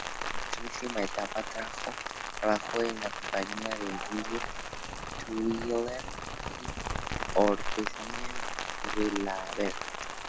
En su última etapa trabajó en la compañía de Emilio Thuillier y Hortensia Gelabert.